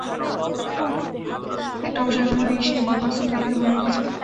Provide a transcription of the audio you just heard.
একটা অংশ এখনও সেই বুনো বাস্তব দুনিয়াকে মনে রেখেছে!